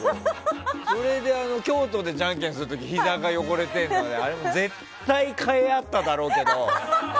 それで京都でじゃんけんするときにひざが汚れてるのもあれも絶対替えがあっただろうけど。